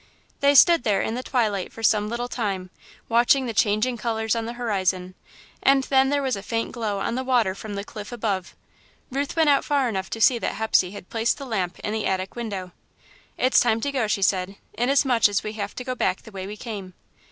They stood there in the twilight for some little time, watching the changing colours on the horizon and then there was a faint glow on the water from the cliff above. Ruth went out far enough to see that Hepsey had placed the lamp in the attic window. "It's time to go," she said, "inasmuch as we have to go back the way we came."